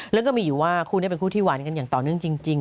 แล้วก็มีอยู่ว่าคู่นี้เป็นคู่ที่หวานกันอย่างต่อเนื่องจริง